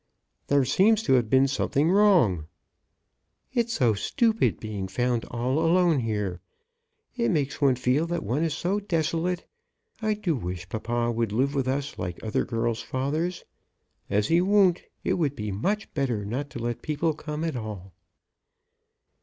"There seems to have been something wrong." "It's so stupid being found all alone here. It makes one feel that one is so desolate. I do wish papa would live with us like other girls' fathers. As he won't, it would be much better not to let people come at all."